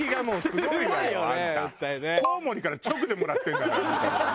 コウモリから直でもらってるんだからあんたは。